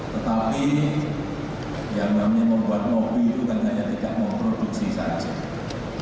tetapi yang namanya membuat mobil itu ternyata tidak memproduksi saja